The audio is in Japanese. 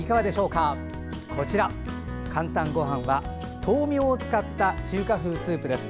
「かんたんごはん」は豆苗を使った中華風スープです。